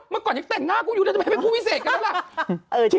เมื่อก่อนยังแต่งหน้ากูอยู่แล้วทำไมเป็นผู้วิเศษกันแล้วล่ะ